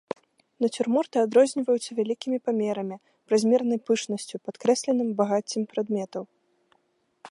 Нацюрморты адрозніваюцца вялікімі памерамі, празмернай пышнасцю, падкрэсленым багаццем прадметаў.